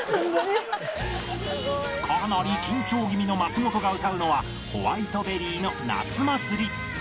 かなり緊張気味の松本が歌うのは Ｗｈｉｔｅｂｅｒｒｙ の『夏祭り』